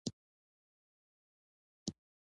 په نولسمې پېړۍ کې سوېلي ایالتونه ډېر بېوزله وو.